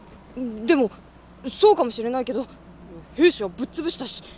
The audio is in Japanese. でもそうかもしれないけど平氏はぶっ潰したし。